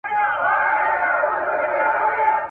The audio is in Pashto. د پردي زوی څخه خپله لور ښه ده !.